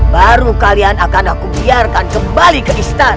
baru kalian akan aku biarkan kembali ke istana